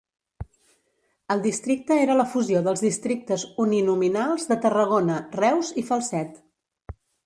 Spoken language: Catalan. El districte era la fusió dels districtes uninominals de Tarragona, Reus i Falset.